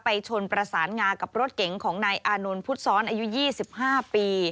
ชนประสานงากับรถเก๋งของนายอานนท์พุทธซ้อนอายุ๒๕ปี